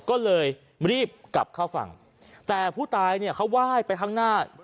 ก็เลยรีบกลับเข้าฝั่งแต่ผู้ตายเนี่ยเขาไหว้ไปข้างหน้า